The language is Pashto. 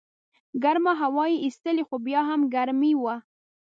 ګرمه هوا یې ایستله خو بیا هم ګرمي وه.